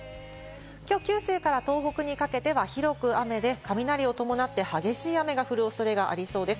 きょう九州から東北にかけては広く雨で雷を伴って激しい雨が降る恐れがありそうです。